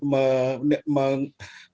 jadi oleh karena itulah saya kira untuk menikmati